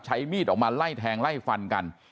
ใช้มีดออกมาไล่แทงไล่ฟันกัน